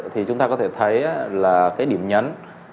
thì chúng ta có thể thấy là cái điểm nhấn